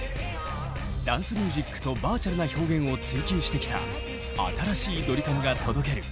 ダンスミュージックとバーチャルな表現を追求してきた新しいドリカムが届ける